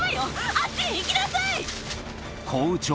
あっちに行きなさい！